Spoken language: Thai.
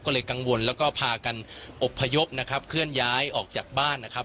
ก็เลยกังวลแล้วก็พากันอบพยพนะครับเคลื่อนย้ายออกจากบ้านนะครับ